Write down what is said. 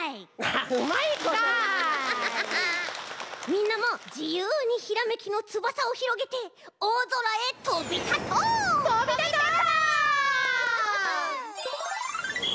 みんなもじゆうにひらめきのつばさをひろげておおぞらへとびたとう！とびたとう！